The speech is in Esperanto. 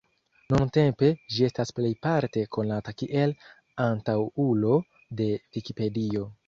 Nuntempe, ĝi estas plejparte konata kiel antaŭulo de Vikipedio.